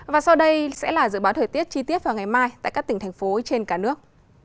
và sau đây sẽ là dự báo thời tiết chi tiết vào ngày mai tại các tỉnh thành phố trên cả nước